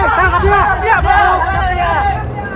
untunglah ratih sudah tidur pulas